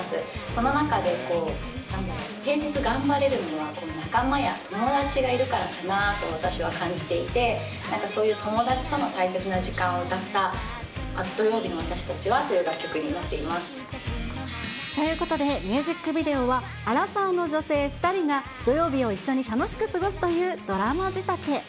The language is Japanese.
その中で平日頑張れるのは、仲間や友達がいるからかなと、私は感じていて、なんかそういう友達との大切な時間を歌った土曜日のわたしたちはということで、ミュージックビデオは、アラサーの女性２人が土曜日を一緒に楽しく過ごすというドラマ仕立て。